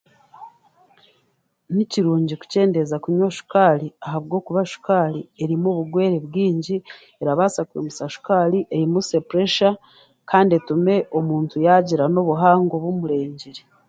Ni kirungi kukyendeza kunywa sukaari ahabwokuba shukaari erimu obugwire bwingi erabaasa kwimusya shukaari eimusye puresha kandi etume n'omuntu yaagira n'obuhango obumurengire